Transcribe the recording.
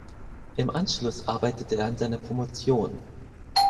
Im Anschluss arbeitete er an seiner Promotion.